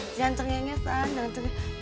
jangan cengengesan jangan cengengesan